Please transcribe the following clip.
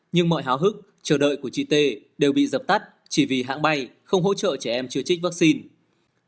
nhưng mọi háo hức chờ đợi của chị t đều bị dập tắt chỉ vì hãng bay không hỗ trợ trẻ em chưa trích vaccine